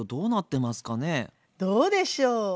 どうでしょう？